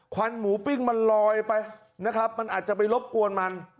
วันหมูปิ้งมันลอยไปนะครับมันอาจจะไปรบกวนมัน